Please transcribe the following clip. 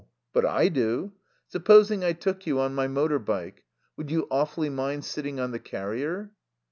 But I do. Supposing I took you on my motor bike? Would you awfully mind sitting on the carrier?"